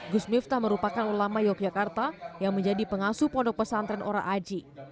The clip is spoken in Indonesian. gus miftah merupakan ulama yogyakarta yang menjadi pengasuh pondok pesantren ora aji